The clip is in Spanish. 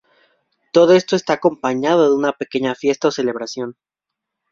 Todo esto está acompañado de una pequeña fiesta o celebración.